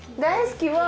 大好き。